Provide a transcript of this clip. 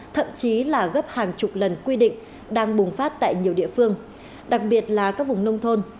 thậm chí là gấp hàng chục lần quy định đang bùng phát tại nhiều địa phương đặc biệt là các vùng nông thôn